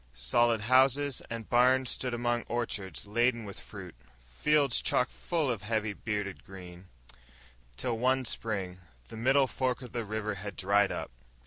Solid houses and barns stood among orchards laden with fruit, fields chock full of heavy bearded grain ... till, one Spring, the middle fork of the river had dried up.